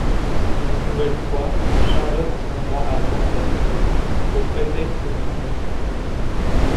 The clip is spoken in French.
Une nouvelle fois, Charlotte s'en va avant la date prévue, au prétexte d'un concert.